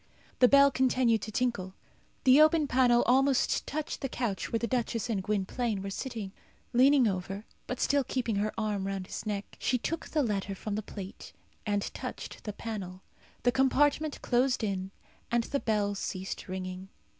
The bell continued to tinkle. The open panel almost touched the couch where the duchess and Gwynplaine were sitting. Leaning over, but still keeping her arm round his neck, she took the letter from the plate, and touched the panel. The compartment closed in, and the bell ceased ringing.